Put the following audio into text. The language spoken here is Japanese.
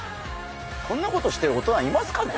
こんなことしてる大人いますかね？